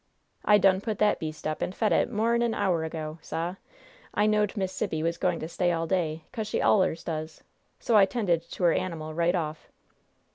"I done put that beast up and fed it more 'an an hour ago, sah! I knowed Miss Sibby was going to stay all day, 'cause she allers does. So I 'tended to her animal right off."